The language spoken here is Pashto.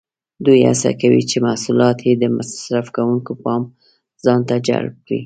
دوی هڅه کوي چې محصولات یې د مصرف کوونکو پام ځانته جلب کړي.